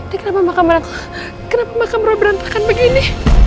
ini kenapa makamro berantakan begini